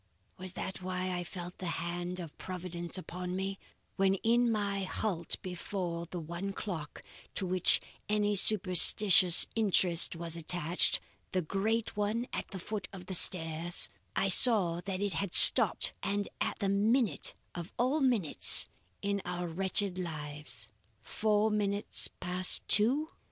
"Was that why I felt the hand of Providence upon me, when in my halt before the one clock to which any superstitious interest was attached the great one at the foot of the stairs I saw that it had stopped and at the one minute of all minutes in our wretched lives: Four minutes past two?